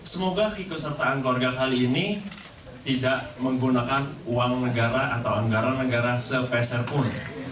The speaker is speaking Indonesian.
semoga keikutsertaan keluarga kali ini tidak menggunakan uang negara atau anggaran negara sepeserpun